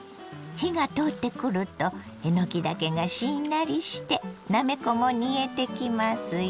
火が通ってくるとえのきだけがしんなりしてなめこも煮えてきますよ。